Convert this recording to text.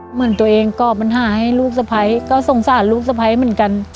เหมือนตัวเองก่อปัญหาให้ลูกสะพ้ายก็สงสารลูกสะพ้ายเหมือนกัน